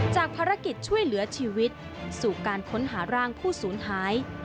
จากภารกิจช่วยเหลือชีวิตสู่การค้นหาร่างผู้สูญหาย